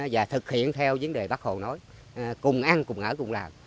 và thực hiện theo vấn đề bác hồ nói cùng ăn cùng ở cùng làm